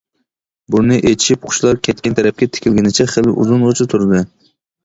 بۇرنى ئېچىشىپ، قۇشلار كەتكەن تەرەپكە تىكىلگىنىچە خېلى ئۇزۇنغىچە تۇردى.